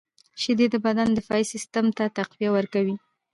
• شیدې د بدن دفاعي سیسټم ته تقویه ورکوي.